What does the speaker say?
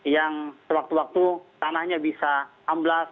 yang sewaktu waktu tanahnya bisa amblas